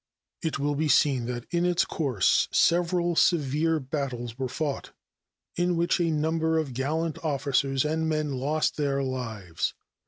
It will be seen that in its course several severe battles were fought, in which a number of gallant officers and men lost their lives.